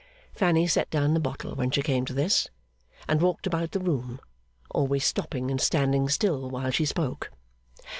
Fanny set down the bottle when she came to this, and walked about the room; always stopping and standing still while she spoke.